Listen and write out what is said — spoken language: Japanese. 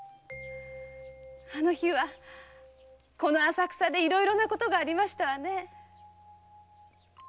あの日はこの浅草でいろいろなことがありましたね。